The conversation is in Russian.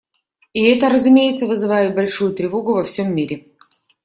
И это, разумеется, вызывает большую тревогу во всем мире.